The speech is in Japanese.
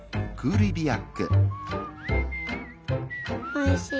おいしい。